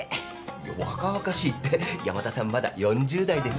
いや若々しいって山田さんまだ４０代ですよ。